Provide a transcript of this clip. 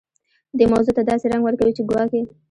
دې موضوع ته داسې رنګ ورکوي چې ګواکې.